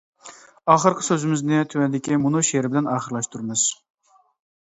ئاخىرقى سۆزىمىزنى تۆۋەندىكى مۇنۇ شېئىر بىلەن ئاخىرلاشتۇرىمىز.